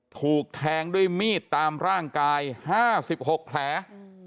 ถูกแทงด้วยมีดตามร่างกาย๕๖แผล